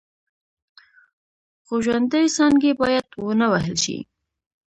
خو ژوندۍ څانګې باید ونه وهل شي.